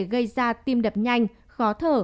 gây ra tim đập nhanh khó thở